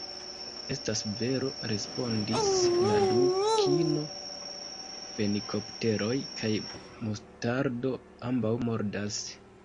"Estas vero," respondis la Dukino. "Fenikopteroj kaj mustardo ambaŭ mordas.